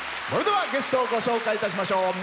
それではゲストをご紹介いたしましょう。